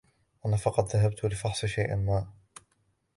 أنا فقط ذهبت لفحص شيئا ما.